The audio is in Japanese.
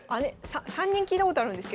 ３人聞いたことあるんですけど。